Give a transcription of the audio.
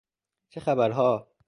چه خبرها؟